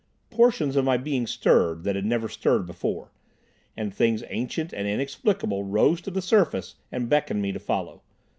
Portions of my being stirred that had never stirred before, and things ancient and inexplicable rose to the surface and beckoned me to follow.